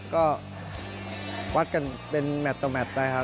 ก็วัดกันเป็นแมทต่อแมทไปครับ